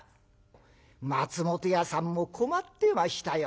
松本屋さんも困ってましたよ。